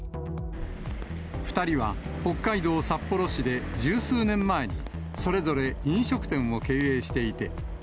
２人は北海道札幌市で、十数年前に、それぞれ飲食店を経営していて。